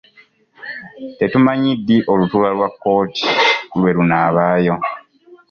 Tetumanyi ddi olutuula lwa kkooti lwe lunaabaayo.